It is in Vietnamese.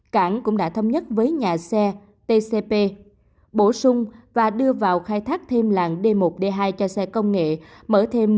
cảng cũng đã thông nhất với nhà xe tcp bổ sung và đưa vào khai thác thêm làng d một d hai cho xe công nghệ mở thêm